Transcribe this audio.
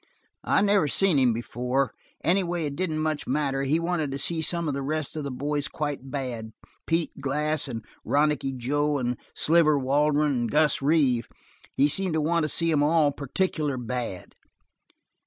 "I never seen him before. Anyway, it didn't much matter. He wanted to see some of the rest of the boys quite bad: Pete Glass and Ronicky Joe, and Sliver Waldron, and Gus Reeve. He seemed to want to see 'em all particular bad."